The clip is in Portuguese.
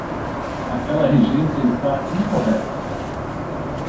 Aquela regência está incorreta